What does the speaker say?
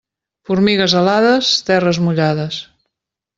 Formigues alades, terres mullades.